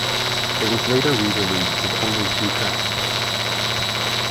It was later re-released with only two tracks.